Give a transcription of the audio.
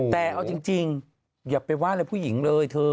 แต่เอาจริงอย่าไปว่าอะไรผู้หญิงเลยเธอ